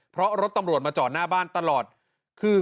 เพราะรถตำรวจมาจอดหน้าบ้านตลอดคือ